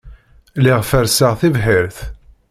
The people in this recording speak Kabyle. Lliɣ ferrseɣ tibḥirt.